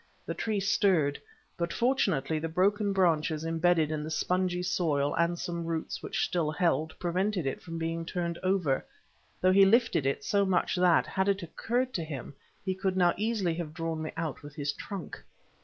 The tree stirred, but fortunately the broken branches embedded in the spongy soil, and some roots, which still held, prevented it from being turned over, though he lifted it so much that, had it occurred to him, he could now easily have drawn me out with his trunk.